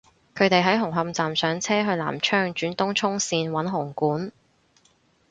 佢哋喺紅磡站上車去南昌轉東涌綫搵紅館